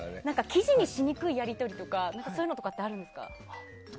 記事にしにくいやり取りとかそういうのとかってあるんですか？